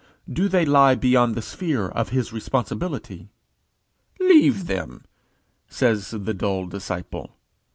Do they lie beyond the sphere of his responsibility? "Leave them," says the dull disciple.